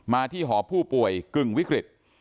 ที่หอผู้ป่วยกึ่งวิกฤต